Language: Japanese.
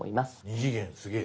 ２次元すげぇ。